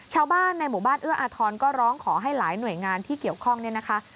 ชาวบ้านในหมู่บ้านเอื้ออาทรก็ร้องขอให้หลายหน่วยงานที่เกี่ยวข้องเนี่ยนะคะ